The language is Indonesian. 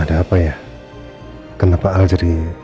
ada apa ya kenapa al jadi